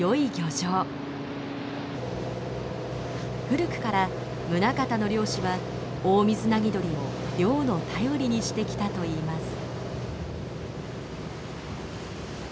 古くから宗像の漁師はオオミズナギドリを漁の頼りにしてきたといいます。